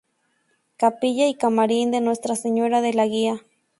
Capilla y Camarín de Nuestra Señora de la Guía.